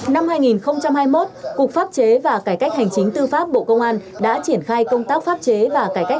năm hai nghìn hai mươi một cục pháp chế và cải cách hành chính tư pháp bộ công an đã triển khai công tác pháp chế và cải cách